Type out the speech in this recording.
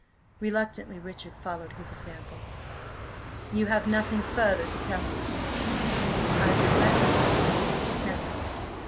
Reluctantly Richard followed his example. "You–have nothing further to tell me of him?" "I regret, sir–nothing."